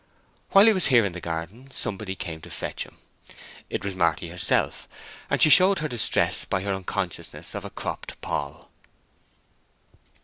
While he was here in the garden somebody came to fetch him. It was Marty herself, and she showed her distress by her unconsciousness of a cropped poll.